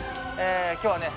今日はね